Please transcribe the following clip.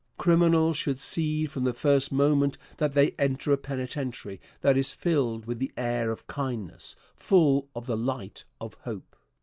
Criminals should see from the first moment that they enter a penitentiary that it is filled with the air of kindness, full of the light of hope.